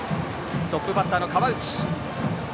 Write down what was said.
トップバッターの河内。